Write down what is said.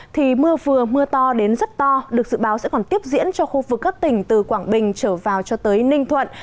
thì mưa vừa mưa to đến rất to được dự báo sẽ còn tiếp diễn cho khu vực các tỉnh từ quảng bình trở vào cho tới ninh thuận